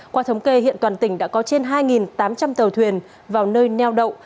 qua thống kê hiện toàn tỉnh đã có trên hai tám trăm linh tàu thuyền vào nơi neo đậu